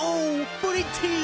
プリティ！